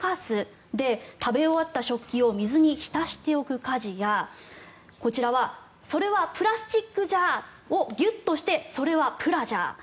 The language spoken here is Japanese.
食べ終わった食器を水に浸しておく家事やこちらはそれはプラスチックじゃーをギュッとしてそれはプラジャー！。